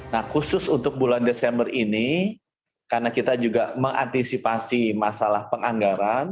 nah khusus untuk bulan desember ini karena kita juga mengantisipasi masalah penganggaran